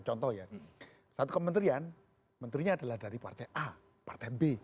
contoh ya satu kementerian menterinya adalah dari partai a partai b